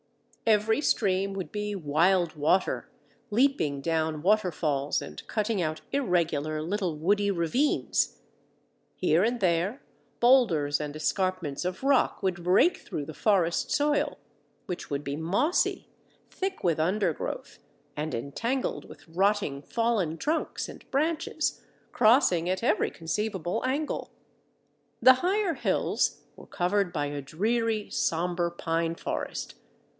Every stream would be "wild water" leaping down waterfalls and cutting out irregular, little woody ravines. Here and there boulders and escarpments of rock would break through the forest soil, which would be mossy, thick with undergrowth, and entangled with rotting fallen trunks and branches, crossing at every conceivable angle. The higher hills were covered by a dreary, sombre pine forest.